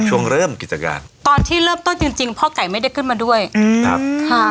ช่วงเริ่มกิจการตอนที่เริ่มต้นจริงจริงพ่อไก่ไม่ได้ขึ้นมาด้วยอืมครับค่ะ